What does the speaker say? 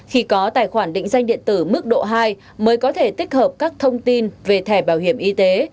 khi có tài khoản định danh điện tử mức độ hai mới có thể tích hợp các thông tin về thẻ bảo hiểm y tế